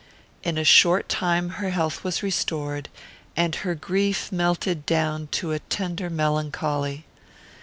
In a short time her health was restored, and her grief melted down into a tender melancholy.